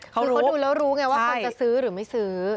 คือเขาดูแล้วรู้ไงว่าเขาจะซื้อหรือไม่ซื้อ